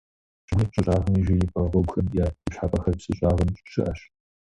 ЩӀыгуми, щӀы щӀагъми жеипӀэ гъуэгухэм я ипщхьэпӀэхэр псы щӀагъым щыӀэщ.